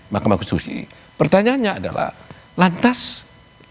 makam konstitusi pertanyaannya adalah makam konstitusi ini bisa ditolak atau tidak